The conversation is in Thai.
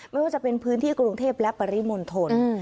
ไม่ว่าจะเป็นพื้นที่กรุงเทพและปริมณฑล